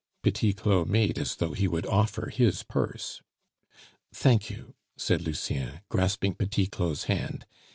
Petit Claud made as though he would offer his purse. "Thank you," said Lucien, grasping Petit Claud's hand.